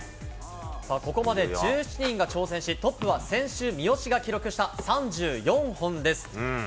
ここまで１７人が挑戦し、トップは先週、三好が記録した３４本です。